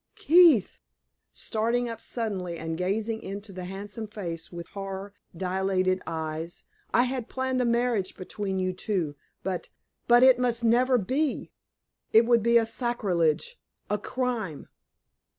"Keith!" starting up suddenly and gazing into the handsome face with horror dilated eyes, "I had planned a marriage between you two; but but it must never be. It would be sacrilege a crime!"